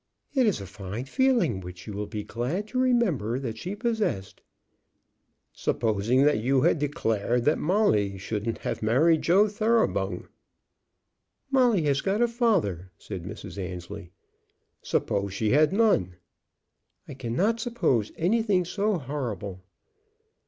"It is a fine feeling, which you will be glad to remember that she possessed." "Supposing that you had declared that Molly shouldn't have married Joe Thoroughbung?" "Molly has got a father," said Mrs. Annesley. "Suppose she had none?" "I cannot suppose anything so horrible."